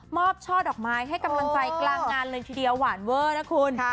ช่อดอกไม้ให้กำลังใจกลางงานเลยทีเดียวหวานเวอร์นะคุณ